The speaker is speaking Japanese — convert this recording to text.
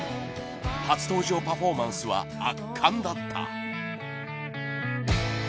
初登場パフォーマンスは圧巻だった。